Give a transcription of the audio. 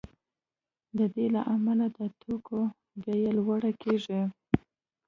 د دې له امله د توکو بیې لوړې کیږي